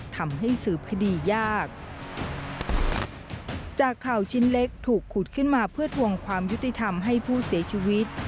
ทำให้สืบคดียากจากข่าวชิ้นเล็กถูกขุดขึ้นมาเพื่อทวงความยุติธรรมให้ผู้เสียชีวิต